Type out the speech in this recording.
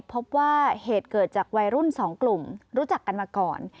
พบว่าเหตุเกิดจากวัยรุ่นสองกลุ่มรู้จักกันมาก่อน